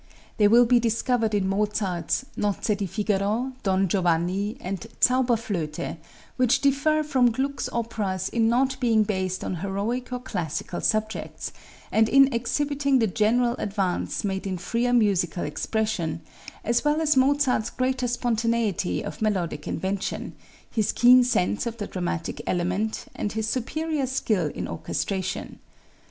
They will be discovered in Mozart's "Nozze di Figaro," "Don Giovanni" and "Zauberflöte," which differ from Gluck's operas in not being based on heroic or classical subjects, and in exhibiting the general advance made in freer musical expression, as well as Mozart's greater spontaneity of melodic invention, his keen sense of the dramatic element and his superior skill in orchestration.